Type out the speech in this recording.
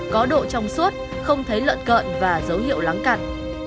có độ trong suốt không thấy lợn cợn và dấu hiệu lắng cặn